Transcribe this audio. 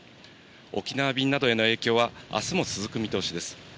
沖縄便などへの影響は、あすも続く見通しです。